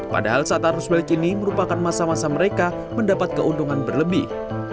padahal saat arus balik ini merupakan masa masa mereka mendapat keuntungan berlebih